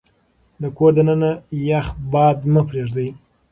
د کور دننه يخ باد مه پرېږدئ.